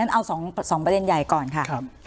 เอา๒ประเด็นใหญ่ก่อนค่ะ